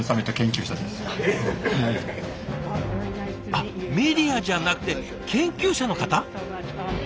あっメディアじゃなくて研究者の方？